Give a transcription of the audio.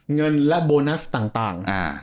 เงินและโบนัสต่าง